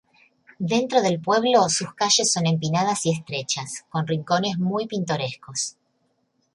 Dentro del pueblo sus calles son empinadas y estrechas, con rincones muy pintorescos.